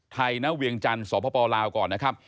ณเวียงจันทร์สปลาวก่อนนะครับ